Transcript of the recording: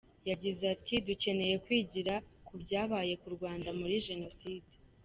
yagize Ati “Dukeneye kwigira ku byabaye ku Rwanda muri Jenoside.